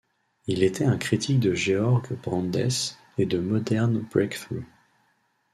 Il était un critique de Georg Brandes et de Modern Breaktrough.